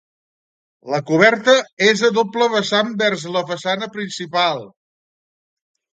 La coberta és a doble vessant vers la façana principal.